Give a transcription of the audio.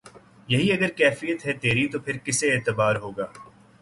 یہی اگر کیفیت ہے تیری تو پھر کسے اعتبار ہوگا